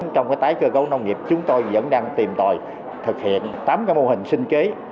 trong cái tái cơ cấu nông nghiệp chúng tôi vẫn đang tìm tòi thực hiện tám mô hình sinh kế